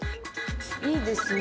いいですね